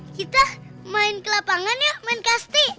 kita main ke lapangan ya main casting